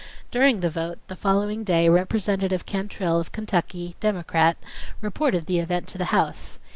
During the vote the following day Representative Cantrill of Kentucky, Democrat, reported the event to the House.